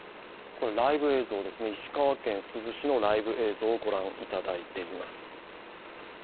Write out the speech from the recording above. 石川県珠洲市のライブ映像をご覧いただいています。